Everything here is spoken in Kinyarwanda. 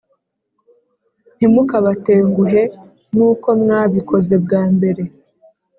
Ntikamukabatenguhe nuko mwabikoze bwa mbere